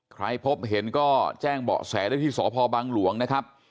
พบเห็นก็แจ้งเบาะแสได้ที่สพบังหลวงนะครับ